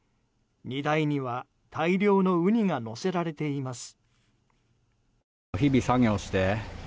荷台には大量のウニが載せられています。